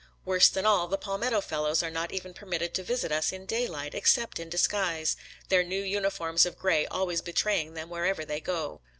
Worse than all, the palmetto fellows are not even permitted to visit us in daylight, except in disguise — ^their new uniforms of gray always betraying them wher ever they go.